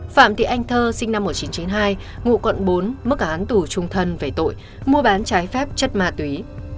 phạm thị anh thơ sinh năm một nghìn chín trăm chín mươi hai ngụ quận bốn mức án tù trung thân về tội mua bán trái phép chất ma túy